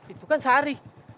itu kan sari